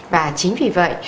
và chính vì vậy